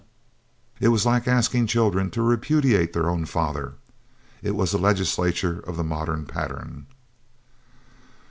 It was like asking children to repudiate their own father. It was a legislature of the modern pattern.